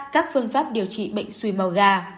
ba các phương pháp điều trị bệnh suối màu gà